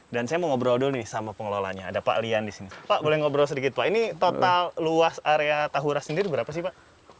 dan saya mau ngobrol dulu nih sama pengelolanya ada pak lian di sini pak boleh ngobrol sedikit pak ini total luas area tahura sendiri berapa sih pak